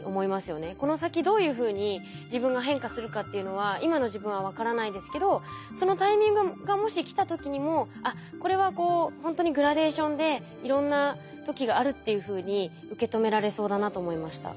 この先どういうふうに自分が変化するかっていうのは今の自分は分からないですけどそのタイミングがもし来た時にもあっこれはこうほんとにグラデーションでいろんな時があるっていうふうに受け止められそうだなと思いました。